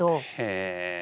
へえ。